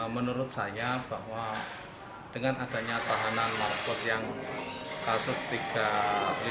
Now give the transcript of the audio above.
menurut saya bahwa dengan adanya tahanan mapol yang kasus tiga ratus lima puluh satu ini